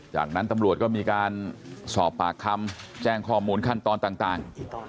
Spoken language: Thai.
จากนั้นตำรวจก็มีการสอบปากคำแจ้งข้อมูลขั้นตอนต่าง